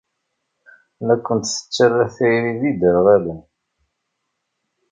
La ken-tettara tayri d iderɣalen.